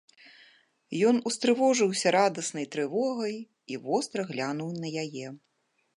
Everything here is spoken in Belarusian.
Ён устрывожыўся радаснай трывогай і востра глянуў на яе.